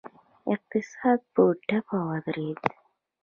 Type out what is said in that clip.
اقتصاد په ټپه ودرید.